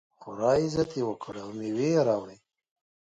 خورا عزت یې وکړ او مېوې یې راوړې.